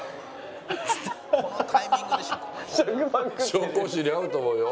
紹興酒に合うと思うよ。